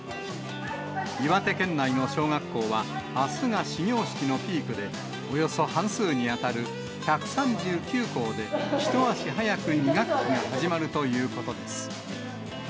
岩手県内の小学校は、あすが始業式のピークで、およそ半数に当たる１３９校で、一足早く２学期が始まるということです。